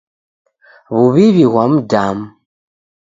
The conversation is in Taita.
W'uw'iw'i ghwa mdamu.